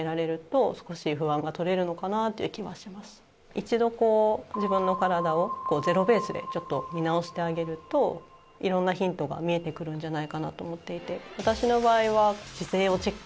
一度こう自分の体をゼロベースでちょっと見直してあげると色んなヒントが見えてくるんじゃないかなと思っていて。